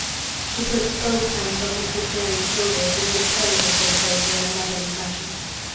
She put both hands on Mistress Mary's shoulders and looked her little face over in a motherly fashion.